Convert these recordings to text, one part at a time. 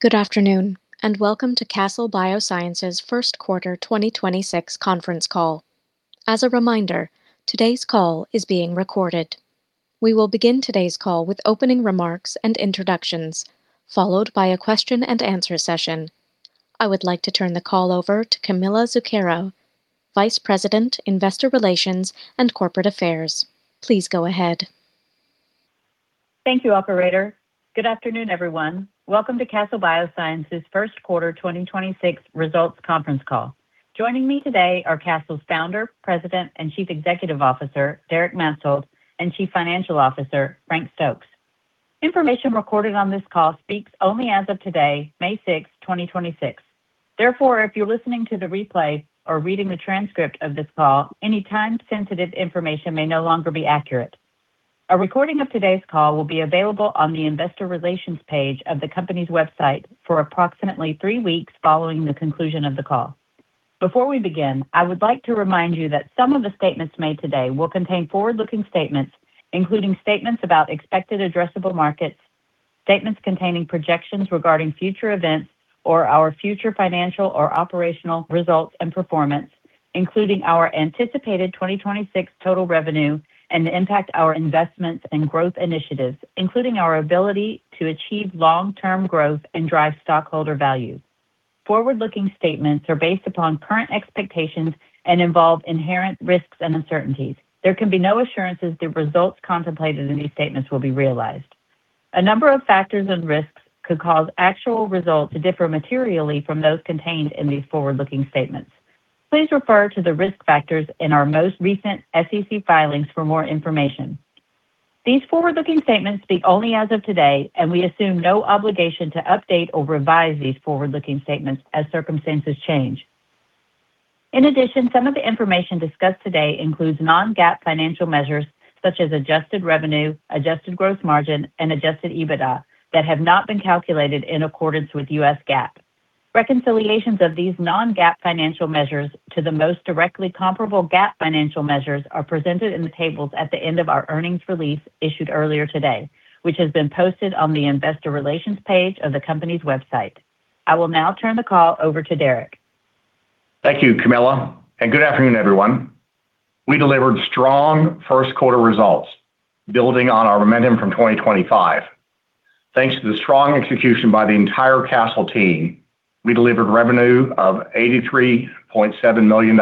Good afternoon, and welcome to Castle Biosciences first quarter 2026 conference call. As a reminder, today's call is being recorded. We will begin today's call with opening remarks and introductions, followed by a question-and-answer session. I would like to turn the call over to Camilla Zuckero, Vice President, Investor Relations and Corporate Affairs. Please go ahead. Thank you, operator. Good afternoon, everyone. Welcome to Castle Biosciences first quarter 2026 results conference call. Joining me today are Castle's Founder, President, and Chief Executive Officer, Derek Maetzold, and Chief Financial Officer, Frank Stokes. Information recorded on this call speaks only as of today, May 6th, 2026. Therefore, if you're listening to the replay or reading the transcript of this call, any time-sensitive information may no longer be accurate. A recording of today's call will be available on the Investor Relations page of the company's website for approximately three weeks following the conclusion of the call. Before we begin, I would like to remind you that some of the statements made today will contain forward-looking statements, including statements about expected addressable markets, statements containing projections regarding future events or our future financial or operational results and performance, including our anticipated 2026 total revenue and the impact our investments and growth initiatives, including our ability to achieve long-term growth and drive stockholder value. Forward-looking statements are based upon current expectations and involve inherent risks and uncertainties. There can be no assurances the results contemplated in these statements will be realized. A number of factors and risks could cause actual results to differ materially from those contained in these forward-looking statements. Please refer to the risk factors in our most recent SEC filings for more information. These forward-looking statements speak only as of today, and we assume no obligation to update or revise these forward-looking statements as circumstances change. In addition, some of the information discussed today includes non-GAAP financial measures such as adjusted revenue, adjusted gross margin, and Adjusted EBITDA that have not been calculated in accordance with U.S. GAAP. Reconciliations of these non-GAAP financial measures to the most directly comparable GAAP financial measures are presented in the tables at the end of our earnings release issued earlier today, which has been posted on the Investor Relations page of the company's website. I will now turn the call over to Derek. Thank you, Camilla, and good afternoon, everyone. We delivered strong first quarter results building on our momentum from 2025. Thanks to the strong execution by the entire Castle team, we delivered revenue of $83.7 million.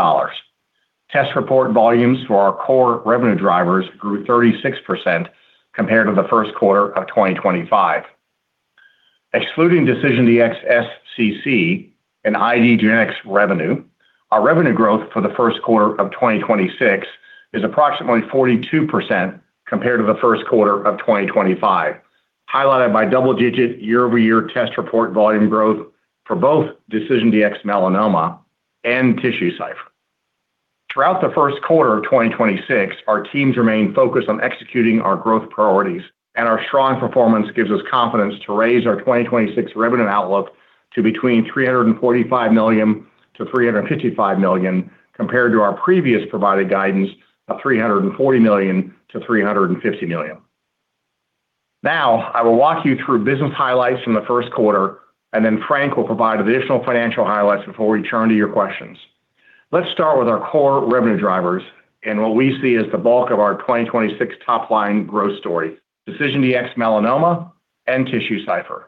Test report volumes for our core revenue drivers grew 36% compared to the first quarter of 2025. Excluding DecisionDx-SCC and IDgenetix revenue, our revenue growth for the first quarter of 2026 is approximately 42% compared to the first quarter of 2025, highlighted by double-digit year-over-year test report volume growth for both DecisionDx-Melanoma and TissueCypher. Throughout the first quarter of 2026, our teams remain focused on executing our growth priorities, and our strong performance gives us confidence to raise our 2026 revenue outlook to between $345 million-$355 million, compared to our previous provided guidance of $340 million-$350 million. Now, I will walk you through business highlights from the first quarter, and then Frank will provide additional financial highlights before we turn to your questions. Let's start with our core revenue drivers and what we see as the bulk of our 2026 top-line growth story, DecisionDx-Melanoma and TissueCypher.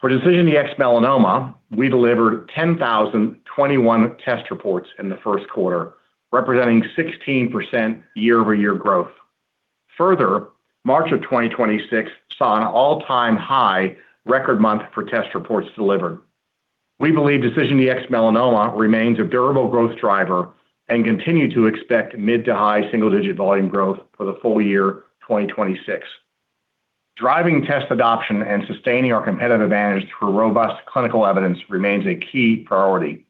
For DecisionDx-Melanoma, we delivered 10,021 test reports in the first quarter, representing 16% year-over-year growth. Further, March of 2026 saw an all-time high record month for test reports delivered. We believe DecisionDx-Melanoma remains a durable growth driver and continue to expect mid to high single-digit volume growth for the full year 2026. Driving test adoption and sustaining our competitive advantage through robust clinical evidence remains a key priority.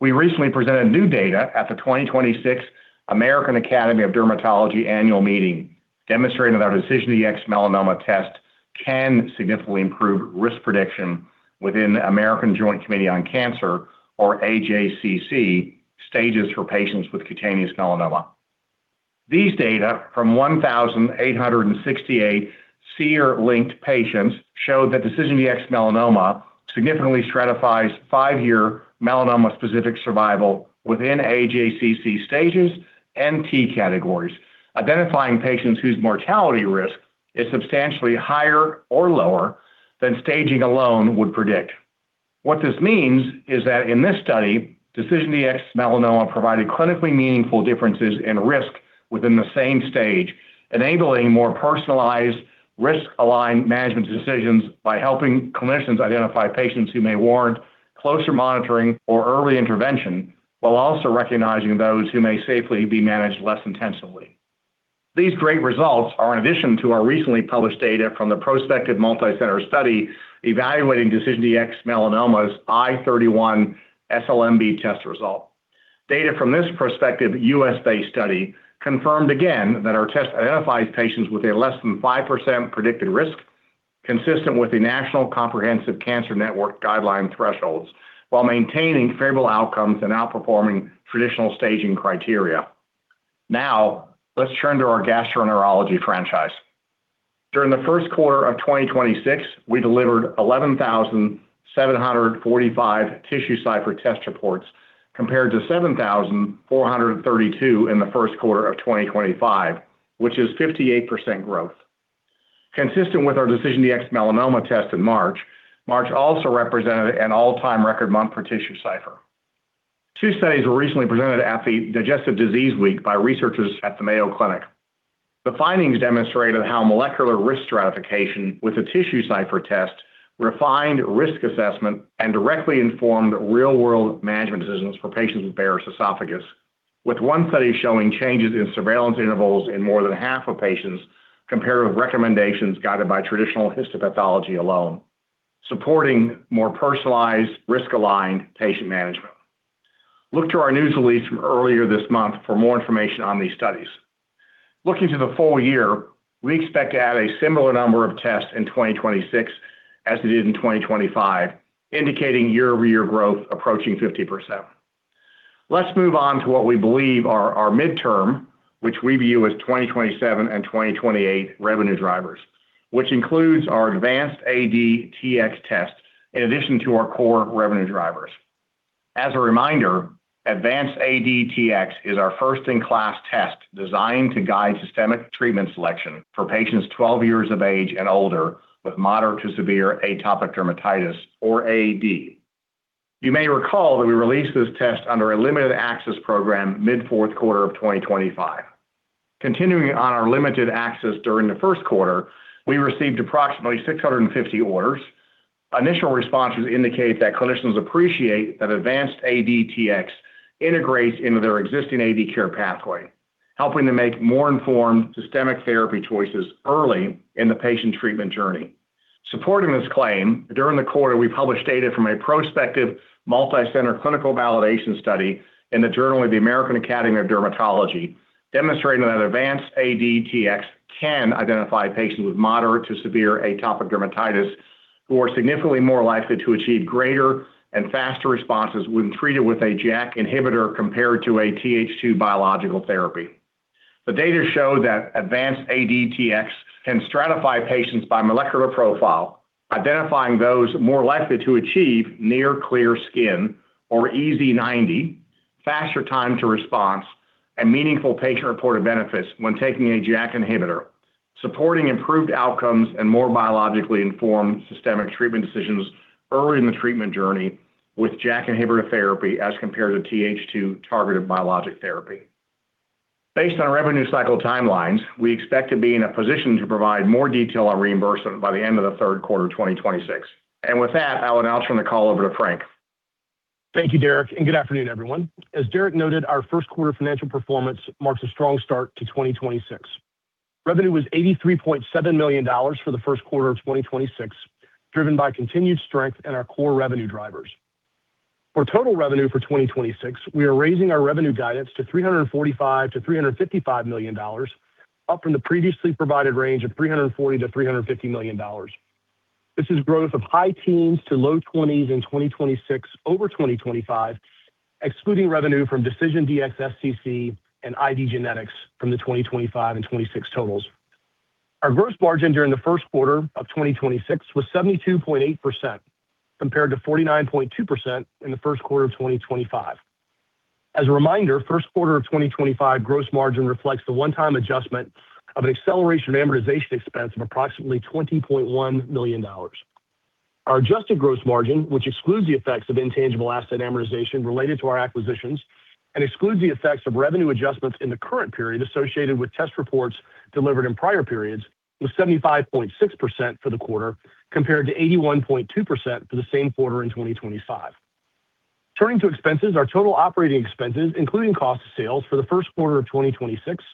We recently presented new data at the 2026 American Academy of Dermatology annual meeting demonstrating that our DecisionDx-Melanoma test can significantly improve risk prediction within American Joint Committee on Cancer, or AJCC, stages for patients with cutaneous melanoma. These data from 1,868 SEER-linked patients showed that DecisionDx-Melanoma significantly stratifies five-year melanoma-specific survival within AJCC stages and T categories, identifying patients whose mortality risk is substantially higher or lower than staging alone would predict. What this means is that in this study, DecisionDx-Melanoma provided clinically meaningful differences in risk within the same stage, enabling more personalized risk-aligned management decisions by helping clinicians identify patients who may warrant closer monitoring or early intervention while also recognizing those who may safely be managed less intensively. These great results are in addition to our recently published data from the prospective multicenter study evaluating DecisionDx-Melanoma's i31-SLNB test result. Data from this prospective U.S.-based study confirmed again that our test identifies patients with a less than 5% predicted risk consistent with the National Comprehensive Cancer Network guideline thresholds while maintaining favorable outcomes and outperforming traditional staging criteria. Let's turn to our gastroenterology franchise. During the first quarter of 2026, we delivered 11,745 TissueCypher test reports compared to 7,432 in the first quarter of 2025, which is 58% growth. Consistent with our DecisionDx-Melanoma test in March, March also represented an all-time record month for TissueCypher. Two studies were recently presented at the Digestive Disease Week by researchers at the Mayo Clinic. The findings demonstrated how molecular risk stratification with a TissueCypher test refined risk assessment and directly informed real-world management decisions for patients with Barrett's esophagus, with one study showing changes in surveillance intervals in more than half of patients compared with recommendations guided by traditional histopathology alone, supporting more personalized, risk-aligned patient management. Look to our news release from earlier this month for more information on these studies. Looking to the full year, we expect to add a similar number of tests in 2026 as it is in 2025, indicating year-over-year growth approaching 50%. Let's move on to what we believe are our midterm, which we view as 2027 and 2028 revenue drivers, which includes our AdvanceAD-Tx test in addition to our core revenue drivers. As a reminder, AdvanceAD-Tx is our first-in-class test designed to guide systemic treatment selection for patients 12 years of age and older with moderate to severe atopic dermatitis or AD. You may recall that we released this test under a limited access program mid-fourth quarter of 2025. Continuing on our limited access during the first quarter, we received approximately 650 orders. Initial responses indicate that clinicians appreciate that AdvanceAD-Tx integrates into their existing AD care pathway, helping to make more informed systemic therapy choices early in the patient treatment journey. Supporting this claim, during the quarter, we published data from a prospective multicenter clinical validation study in the Journal of the American Academy of Dermatology demonstrating that AdvanceAD-Tx can identify patients with moderate to severe atopic dermatitis who are significantly more likely to achieve greater and faster responses when treated with a JAK inhibitor compared to a Th2 biological therapy. The data show that AdvanceAD-Tx can stratify patients by molecular profile, identifying those more likely to achieve near clear skin or EASI-90 faster time to response and meaningful patient-reported benefits when taking a JAK inhibitor, supporting improved outcomes and more biologically informed systemic treatment decisions early in the treatment journey with JAK inhibitor therapy as compared to Th2 targeted biologic therapy. Based on revenue cycle timelines, we expect to be in a position to provide more detail on reimbursement by the end of the third quarter of 2026. With that, I'll now turn the call over to Frank. Thank you, Derek. Good afternoon, everyone. As Derek noted, our first quarter financial performance marks a strong start to 2026. Revenue was $83.7 million for the first quarter of 2026, driven by continued strength in our core revenue drivers. For total revenue for 2026, we are raising our revenue guidance to $345 million-$355 million, up from the previously provided range of $340 million-$350 million. This is growth of high teens to low 20%s in 2026 over 2025, excluding revenue from DecisionDx-SCC and IDgenetix from the 2025 and 2026 totals. Our gross margin during the first quarter of 2026 was 72.8% compared to 49.2% in the first quarter of 2025. As a reminder, first quarter of 2025 gross margin reflects the one-time adjustment of an acceleration of amortization expense of approximately $20.1 million. Our adjusted gross margin, which excludes the effects of intangible asset amortization related to our acquisitions and excludes the effects of revenue adjustments in the current period associated with test reports delivered in prior periods, was 75.6% for the quarter, compared to 81.2% for the same quarter in 2025. Turning to expenses, our total operating expenses, including cost of sales for the first quarter of 2026,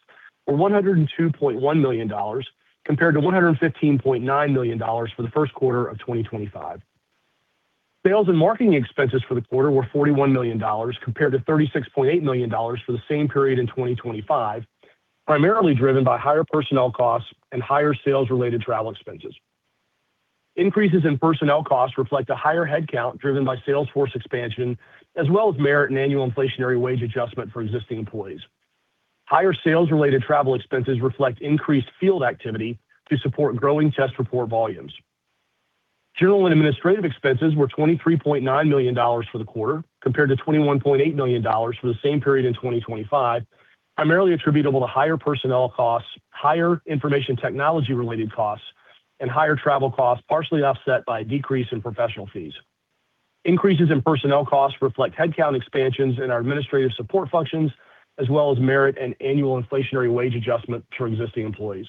were $102.1 million compared to $115.9 million for the first quarter of 2025. Sales and marketing expenses for the quarter were $41 million compared to $36.8 million for the same period in 2025, primarily driven by higher personnel costs and higher sales-related travel expenses. Increases in personnel costs reflect a higher headcount driven by sales force expansion as well as merit and annual inflationary wage adjustment for existing employees. Higher sales-related travel expenses reflect increased field activity to support growing test report volumes. General and administrative expenses were $23.9 million for the quarter, compared to $21.8 million for the same period in 2025, primarily attributable to higher personnel costs, higher information technology-related costs, and higher travel costs, partially offset by a decrease in professional fees. Increases in personnel costs reflect headcount expansions in our administrative support functions as well as merit and annual inflationary wage adjustment for existing employees.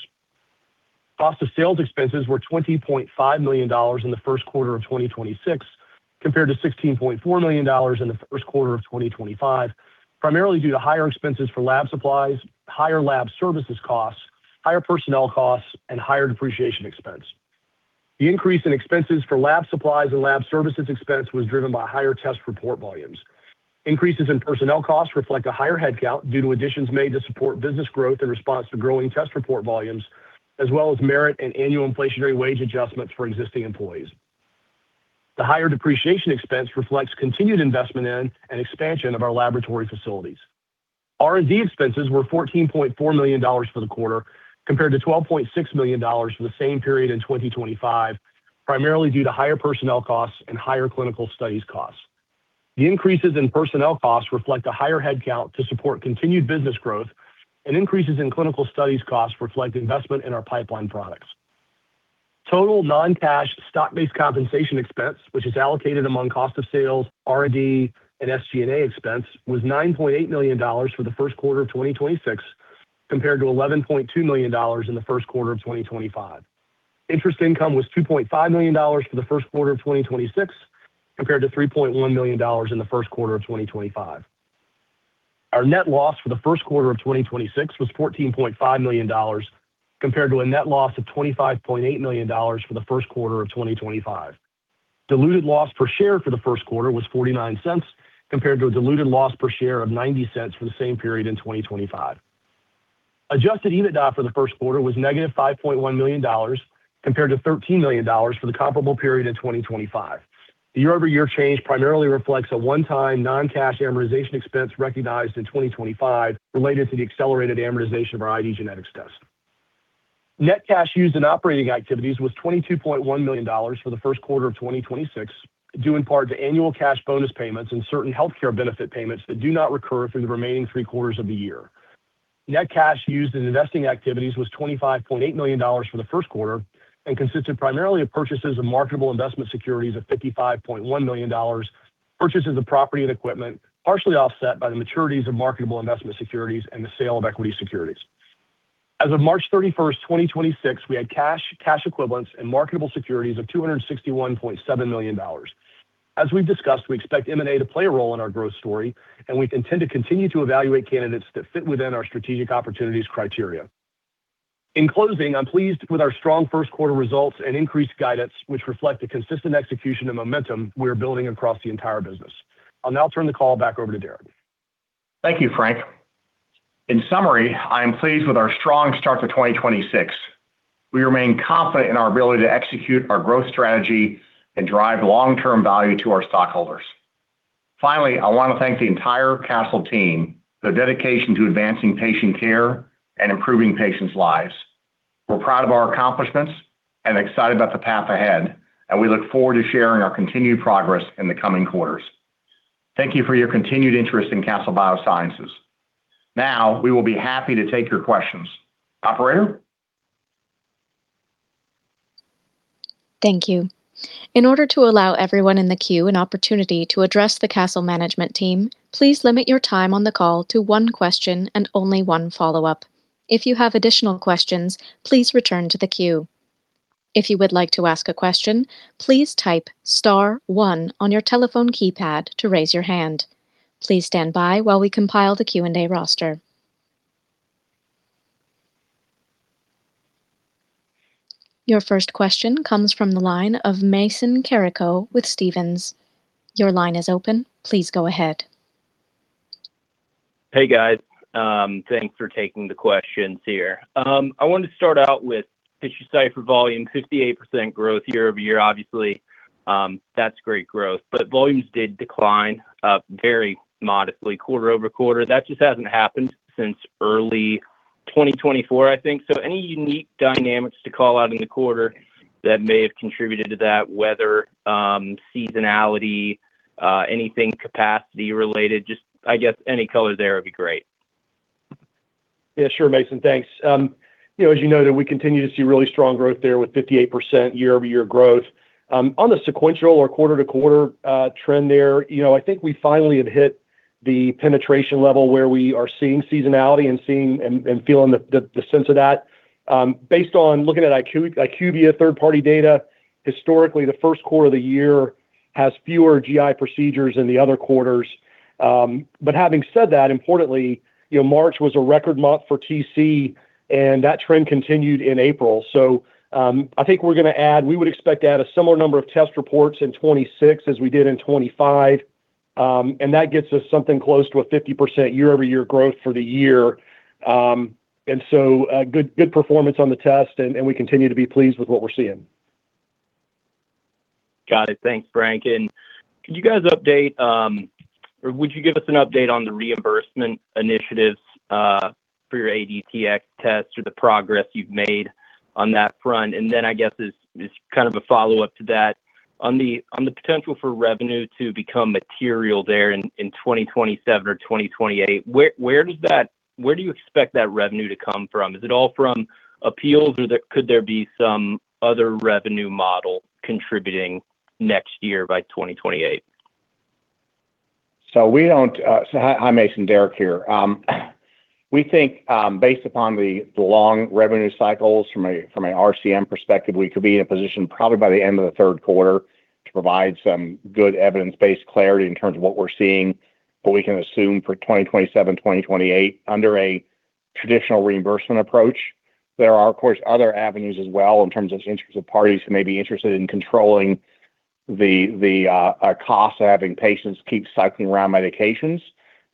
Cost of sales expenses were $20.5 million in the first quarter of 2026 compared to $16.4 million in the first quarter of 2025, primarily due to higher expenses for lab supplies, higher lab services costs, higher personnel costs, and higher depreciation expense. The increase in expenses for lab supplies and lab services expense was driven by higher test report volumes. Increases in personnel costs reflect a higher headcount due to additions made to support business growth in response to growing test report volumes, as well as merit and annual inflationary wage adjustments for existing employees. The higher depreciation expense reflects continued investment in and expansion of our laboratory facilities. R&D expenses were $14.4 million for the quarter, compared to $12.6 million for the same period in 2025, primarily due to higher personnel costs and higher clinical studies costs. The increases in personnel costs reflect a higher headcount to support continued business growth, and increases in clinical studies costs reflect investment in our pipeline products. Total non-cash stock-based compensation expense, which is allocated among cost of sales, R&D, and SG&A expense, was $9.8 million for the first quarter of 2026, compared to $11.2 million in the first quarter of 2025. Interest income was $2.5 million for the first quarter of 2026, compared to $3.1 million in the first quarter of 2025. Our net loss for the first quarter of 2026 was $14.5 million, compared to a net loss of $25.8 million for the first quarter of 2025. Diluted loss per share for the first quarter was $0.49, compared to a diluted loss per share of $0.90 for the same period in 2025. Adjusted EBITDA for the first quarter was negative $5.1 million, compared to $13 million for the comparable period in 2025. The year-over-year change primarily reflects a one-time non-cash amortization expense recognized in 2025 related to the accelerated amortization of our IDgenetix test. Net cash used in operating activities was $22.1 million for the first quarter of 2026, due in part to annual cash bonus payments and certain healthcare benefit payments that do not recur through the remaining three quarters of the year. Net cash used in investing activities was $25.8 million for the first quarter and consisted primarily of purchases of marketable investment securities of $55.1 million, purchases of property and equipment, partially offset by the maturities of marketable investment securities and the sale of equity securities. As of March 31st, 2026, we had cash and cash equivalents and marketable securities of $261.7 million. As we've discussed, we expect M&A to play a role in our growth story, and we intend to continue to evaluate candidates that fit within our strategic opportunities criteria. In closing, I'm pleased with our strong first quarter results and increased guidance, which reflect the consistent execution and momentum we're building across the entire business. I'll now turn the call back over to Derek. Thank you, Frank. In summary, I am pleased with our strong start to 2026. We remain confident in our ability to execute our growth strategy and drive long-term value to our stockholders. Finally, I want to thank the entire Castle team, their dedication to advancing patient care and improving patients' lives. We're proud of our accomplishments and excited about the path ahead, and we look forward to sharing our continued progress in the coming quarters. Thank you for your continued interest in Castle Biosciences. Now, we will be happy to take your questions. Operator? Thank you. In order to allow everyone in the queue an opportunity to address the Castle management team, please limit your time on the call to one question and only one follow-up. If you have additional questions, please return to the queue. If you would like to ask a question, please type star one on your telephone keypad to raise your hand. Please stand by while we compile the Q&A roster. Your first question comes from the line of Mason Carrico with Stephens. Your line is open. Please go ahead. Hey, guys. Thanks for taking the questions here. I wanted to start out with TissueCypher volume, 58% growth year-over-year. Obviously, that's great growth. Volumes did decline very modestly quarter-over-quarter. That just hasn't happened since early 2024, I think. Any unique dynamics to call out in the quarter that may have contributed to that, whether seasonality, anything capacity-related? Just, I guess any color there would be great. Yeah, sure, Mason. Thanks. You know, as you noted, we continue to see really strong growth there with 58% year-over-year growth. On the sequential or quarter-to-quarter trend there, you know, I think we finally have hit the penetration level where we are seeing seasonality and feeling the sense of that. Based on looking at IQVIA third-party data, historically, the first quarter of the year has fewer GI procedures than the other quarters. Having said that, importantly, you know, March was a record month for TC, and that trend continued in April. I think we would expect to add a similar number of test reports in 2026 as we did in 2025. That gets us something close to a 50% year-over-year growth for the year. Good performance on the test and we continue to be pleased with what we're seeing. Got it. Thanks, Frank. Could you guys update, or would you give us an update on the reimbursement initiatives for your AdvanceAD-Tx test or the progress you've made on that front? I guess as kind of a follow-up to that, on the potential for revenue to become material there in 2027 or 2028, where do you expect that revenue to come from? Is it all from appeals, or could there be some other revenue model contributing next year by 2028? Hi, Mason, Derek here. We think, based upon the long revenue cycles from an RCM perspective, we could be in a position probably by the end of the third quarter to provide some good evidence-based clarity in terms of what we're seeing, what we can assume for 2027, 2028 under a traditional reimbursement approach. There are, of course, other avenues as well in terms of interested parties who may be interested in controlling the cost of having patients keep cycling around medications.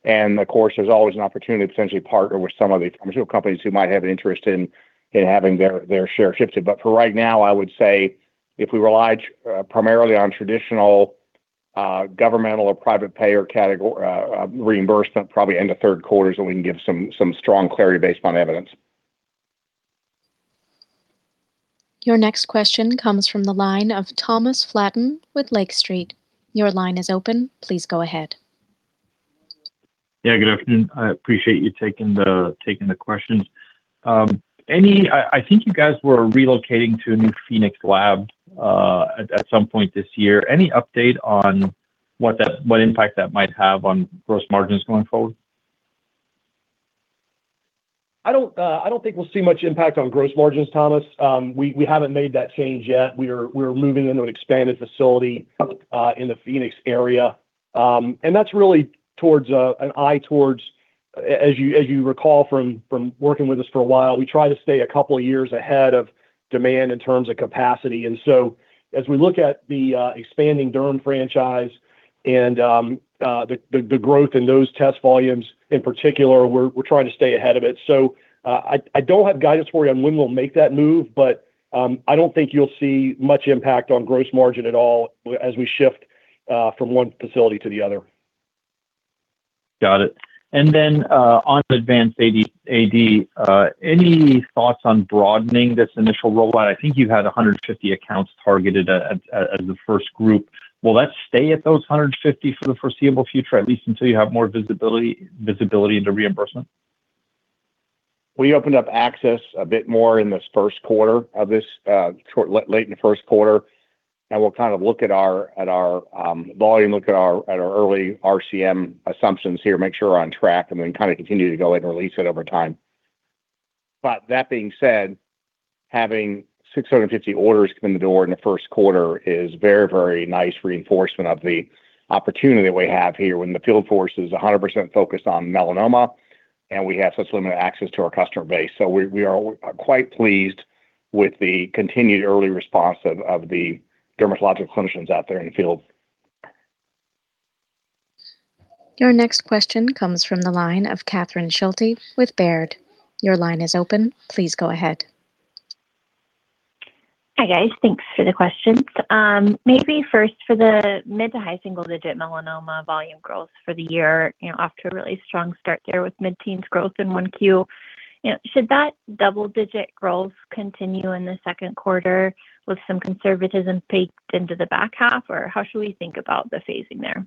Of course, there's always an opportunity to potentially partner with some of these pharmaceutical companies who might have an interest in having their share shifted. For right now, I would say if we relied primarily on traditional governmental or private payer reimbursement probably end of third quarter so we can give some strong clarity based on evidence. Your next question comes from the line of Thomas Flaten with Lake Street. Your line is open. Please go ahead. Yeah, good afternoon. I appreciate you taking the questions. I think you guys were relocating to a new Phoenix lab, at some point this year. Any update on what impact that might have on gross margins going forward? I don't think we'll see much impact on gross margins, Thomas. We haven't made that change yet. We're moving into an expanded facility in the Phoenix area. That's really an eye towards, as you recall from working with us for a while, we try to stay a couple of years ahead of demand in terms of capacity. As we look at the expanding Derm franchise and the growth in those test volumes in particular, we're trying to stay ahead of it. I don't have guidance for you on when we'll make that move, but I don't think you'll see much impact on gross margin at all as we shift from one facility to the other. Got it. On AdvanceAD-Tx, any thoughts on broadening this initial rollout? I think you had 150 accounts targeted as the first group. Will that stay at those 150 for the foreseeable future, at least until you have more visibility into reimbursement? We opened up access a bit more in this first quarter, of this late in the first quarter. We'll kind of look at our volume, look at our early RCM assumptions here, make sure we're on track, and then kind of continue to go ahead and release it over time. That being said, having 650 orders come in the door in the first quarter is very, very nice reinforcement of the opportunity that we have here when the field force is 100% focused on melanoma, and we have such limited access to our customer base. We are quite pleased with the continued early response of the dermatologic clinicians out there in the field. Your next question comes from the line of Catherine Schulte with Baird. Your line is open. Please go ahead. Hi, guys. Thanks for the questions. Maybe first for the mid to high single-digit melanoma volume growth for the year, you know, off to a really strong start there with mid-teens growth in 1Q. You know, should that double-digit growth continue in the second quarter with some conservatism baked into the back half? How should we think about the phasing there?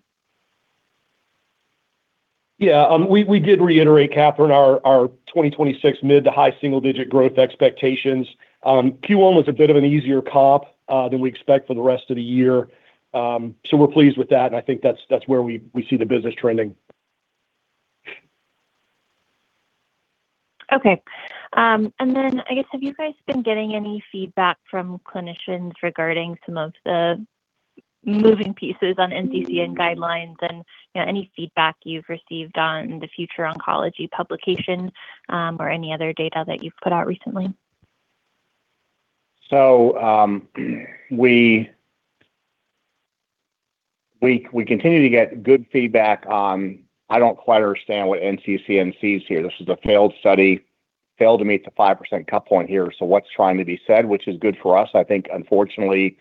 Yeah. We did reiterate, Catherine, our 2026 mid to high single-digit growth expectations. Q1 was a bit of an easier comp than we expect for the rest of the year. We're pleased with that, and I think that's where we see the business trending. Okay. I guess, have you guys been getting any feedback from clinicians regarding some of the moving pieces on NCCN guidelines and, you know, any feedback you've received on the Future Oncology publication or any other data that you've put out recently? We continue to get good feedback on, "I don't quite understand what NCCN sees here. This is a failed study, failed to meet the 5% cut point here, so what's trying to be said?" Which is good for us. I think unfortunately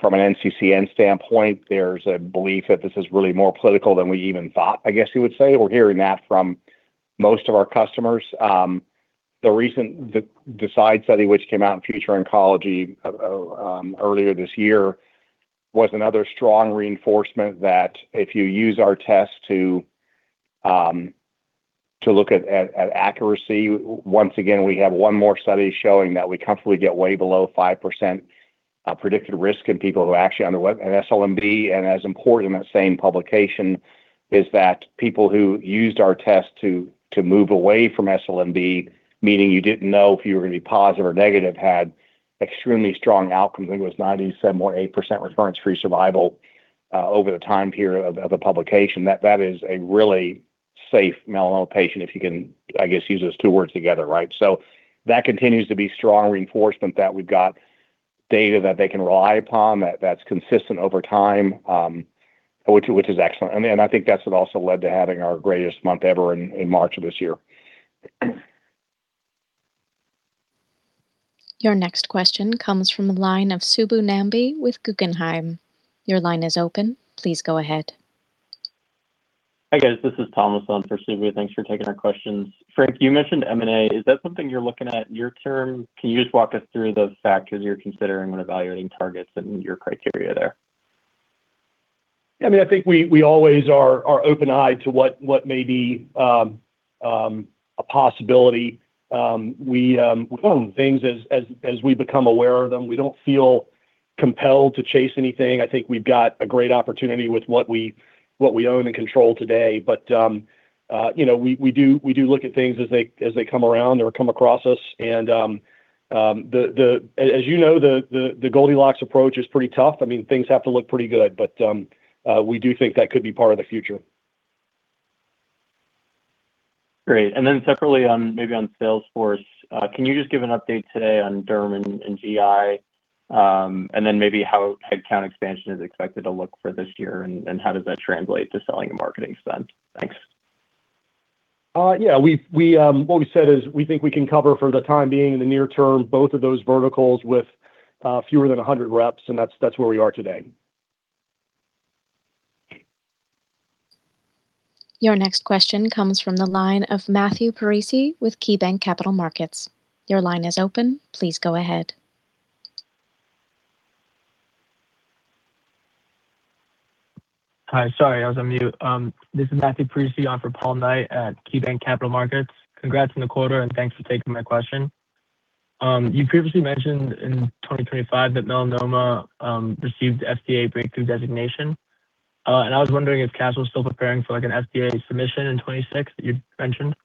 from an NCCN standpoint, there's a belief that this is really more political than we even thought, I guess you would say. We're hearing that from most of our customers. The side study which came out in Future Oncology earlier this year was another strong reinforcement that if you use our test to look at accuracy, once again, we have one more study showing that we comfortably get way below 5% predicted risk in people who actually underwent an SLNB. As important in that same publication is that people who used our test to move away from SLNB, meaning you didn't know if you were gonna be positive or negative, had extremely strong outcomes. I think it was 97.8% recurrence-free survival over the time period of the publication. That is a really safe melanoma patient, if you can, I guess, use those two words together, right? That continues to be strong reinforcement that we've got data that they can rely upon, that's consistent over time, which is excellent. I think that's what also led to having our greatest month ever in March of this year. Your next question comes from the line of Subbu Nambi with Guggenheim. Your line is open. Please go ahead. Hi, guys. This is Thomas on for Subbu. Thanks for taking our questions. Frank, you mentioned M&A. Is that something you're looking at near-term? Can you just walk us through those factors you're considering when evaluating targets and your criteria there? I mean, I think we always are open-eyed to what may be a possibility. We own things as we become aware of them. We don't feel compelled to chase anything. I think we've got a great opportunity with what we own and control today. You know, we do look at things as they come around or come across us. As you know, the Goldilocks approach is pretty tough. I mean, things have to look pretty good, but we do think that could be part of the future. Great. Separately on, maybe on Salesforce, can you just give an update today on Derm and GI? Then maybe how headcount expansion is expected to look for this year and how does that translate to selling and marketing spend? Thanks. Yeah, what we said is we think we can cover for the time being in the near term both of those verticals with fewer than 100 reps, and that's where we are today. Your next question comes from the line of Matthew Parisi with KeyBanc Capital Markets. Your line is open. Please go ahead. Hi. Sorry, I was on mute. This is Matthew Parisi on for Paul Knight at KeyBanc Capital Markets. Congrats on the quarter, and thanks for taking my question. You previously mentioned in 2025 that melanoma received FDA breakthrough designation. I was wondering if Castle is still preparing for, like, an FDA submission in 2026 that you'd mentioned.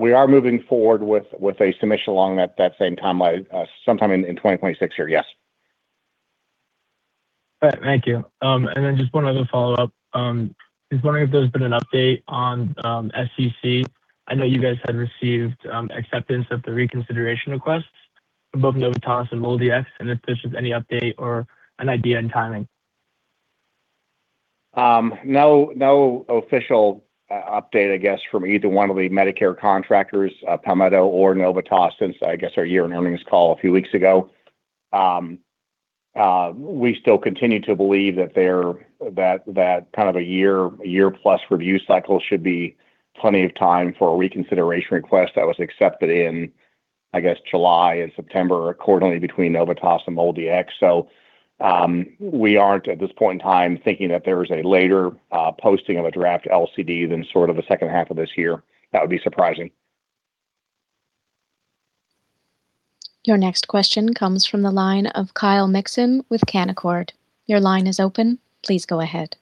We are moving forward with a submission along that same timeline, sometime in 2026 here, yes. All right, thank you. Just one other follow-up. Just wondering if there's been an update on SCC. I know you guys had received acceptance of the reconsideration requests for both Novitas and MolDX, and if there's just any update or an idea on timing. No, no official update, I guess, from either one of the Medicare contractors, Palmetto or Novitas since, I guess, our year-end earnings call a few weeks ago. We still continue to believe that that kind of a year-plus review cycle should be plenty of time for a reconsideration request that was accepted in, I guess, July and September accordingly between Novitas and MolDX. We aren't at this point in time thinking that there is a later posting of a draft LCD than sort of the second half of this year. That would be surprising. Your next question comes from the line of Kyle Mikson with Canaccord. Your line is open. Please go ahead.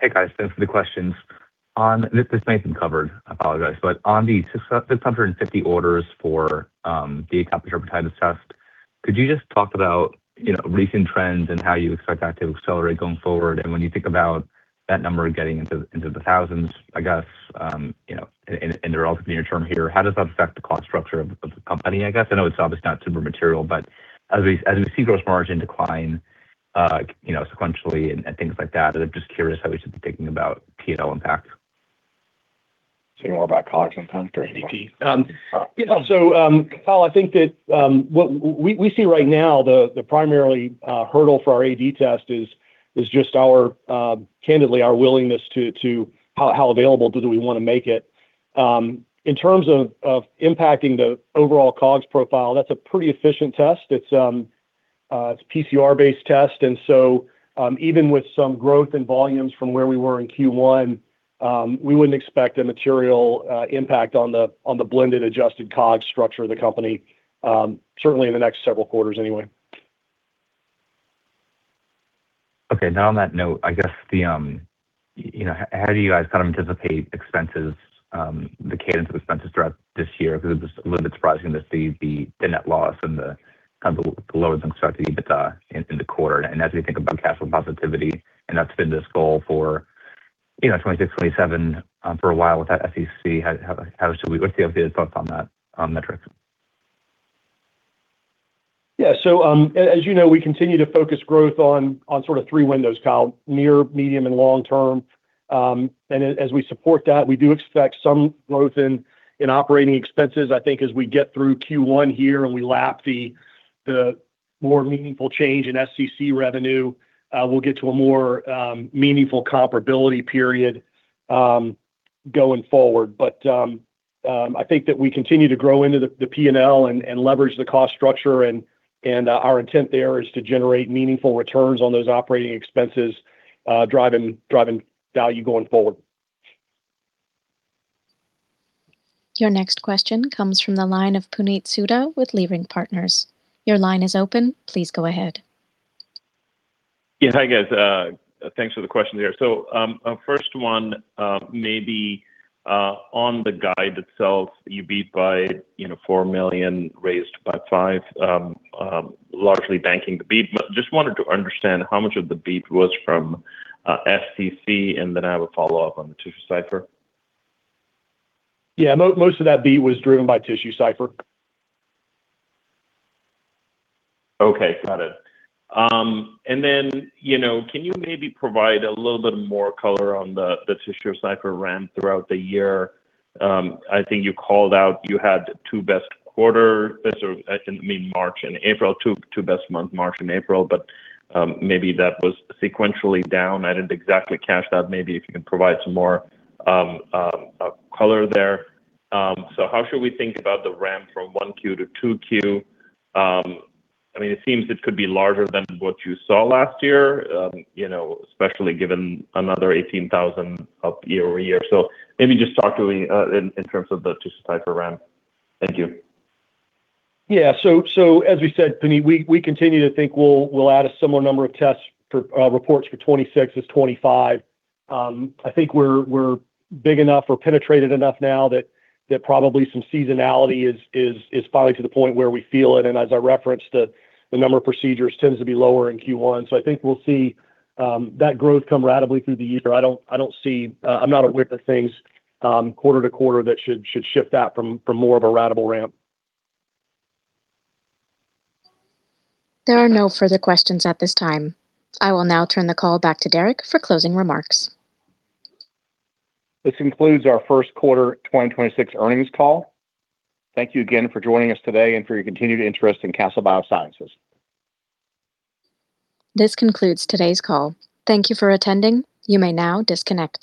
Hey, guys. Thanks for the questions. This may have been covered, I apologize. On the 150 orders for the AdvanceAD-Tx test, could you just talk about, you know, recent trends and how you expect that to accelerate going forward? When you think about that number getting into the thousands, I guess, you know, in the relatively near term here, how does that affect the cost structure of the company, I guess? I know it's obviously not super material, but as we see gross margin decline, you know, sequentially and things like that, I'm just curious how we should be thinking about P&L impact. You're more about COGS impact or AdvanceAD-Tx? Kyle, I think that what we see right now the primary hurdle for our AdvanceAD-Tx is just our candidly our willingness to how available do we wanna make it. In terms of impacting the overall COGS profile, that's a pretty efficient test. It's a PCR-based test, even with some growth in volumes from where we were in Q1, we wouldn't expect a material impact on the blended adjusted COGS structure of the company, certainly in the next several quarters anyway. Now on that note, I guess the, you know, how do you guys kind of anticipate expenses, the cadence of expenses throughout this year? Because it was a little bit surprising to see the net loss and the kind of the lower than expected EBITDA in the quarter. As we think about cash flow positivity, and that's been this goal for, you know, 2026, 2027, for a while with that SEC, what's the updated thoughts on that, on metrics? As you know, we continue to focus growth on three windows, Kyle: near, medium, and long term. As we support that, we do expect some growth in operating expenses. I think as we get through Q1 here and we lap the more meaningful change in SCC revenue, we'll get to a more meaningful comparability period going forward. I think that we continue to grow into the P&L and leverage the cost structure and our intent there is to generate meaningful returns on those operating expenses, driving value going forward. Your next question comes from the line of Puneet Souda with Leerink Partners. Your line is open. Please go ahead. Yes. Hi, guys. Thanks for the questions here. First one, maybe on the guide itself, you beat by, you know, $4 million, raised about $5 million, largely banking the beat. Just wanted to understand how much of the beat was from SCC, and then I have a follow-up on the TissueCypher. Yeah. Most of that beat was driven by TissueCypher. Okay. Got it. Then, you know, can you maybe provide a little bit more color on the TissueCypher ramp throughout the year? I think you called out you had two best quarter. That's, I think you mean March and April, two best month, March and April, maybe that was sequentially down. I didn't exactly catch that. Maybe if you can provide some more color there. How should we think about the ramp from 1Q to 2Q? I mean, it seems it could be larger than what you saw last year, you know, especially given another 18,000 up year-over-year. Maybe just talk to me in terms of the TissueCypher ramp. Thank you. As we said, Puneet, we continue to think we'll add a similar number of tests for reports for 2026 as 2025. I think we're big enough or penetrated enough now that probably some seasonality is finally to the point where we feel it. As I referenced, the number of procedures tends to be lower in Q1. I think we'll see that growth come ratably through the year. I don't see, I'm not aware of things quarter-to-quarter that should shift that from more of a ratable ramp. There are no further questions at this time. I will now turn the call back to Derek for closing remarks. This concludes our first quarter 2026 earnings call. Thank you again for joining us today and for your continued interest in Castle Biosciences. This concludes today's call. Thank you for attending. You may now disconnect.